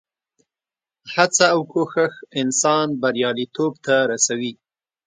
هڅه او کوښښ انسان بریالیتوب ته رسوي.